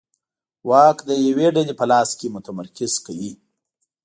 واک د یوې ډلې په لاس کې متمرکز کوي